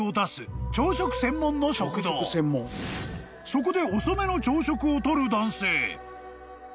［そこで遅めの朝食をとる男性］